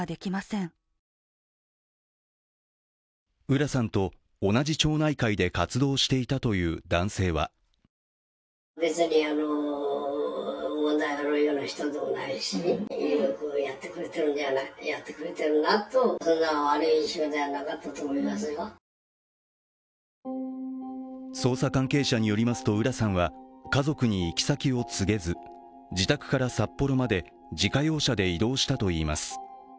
浦さんと同じ町内会で活動していたという男性は捜査関係者によりますと浦さんは家族に行き先を告げず自宅から札幌まで自家用車で移動したといいます。